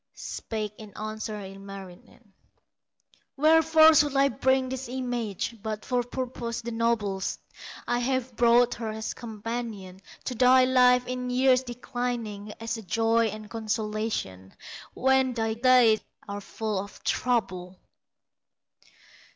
Spake in answer Ilmarinen: "Wherefore should I bring this image, But for purposes the noblest? I have brought her as companion To thy life in years declining, As a joy and consolation, When thy days are full of trouble!"